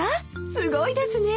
すごいですね！